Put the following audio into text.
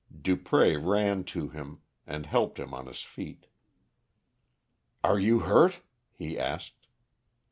Dupré ran to him, and helped him on his feet. "Are you hurt?" he asked.